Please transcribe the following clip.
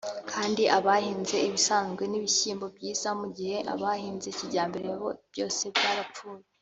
kandi abahinze ibisanzwe n’ibishyimbo byiza mu gihe abahinze kijyambere byose byarapfuye